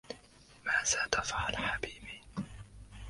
ماذا تفعل حبيبي